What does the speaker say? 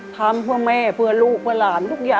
ทำเพื่อแม่เพื่อลูกเพื่อหลานทุกอย่าง